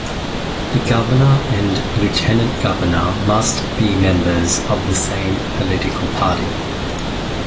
The governor and lieutenant governor must be members of the same political party.